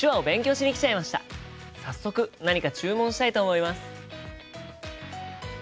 早速何か注文したいと思います。